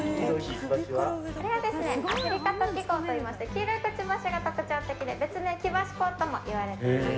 こちらはアフリカトキコウといいまして黄色いくちばしが特徴的で別名、キバシコウともいわれています。